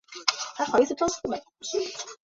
如今原址仅存残垣断壁。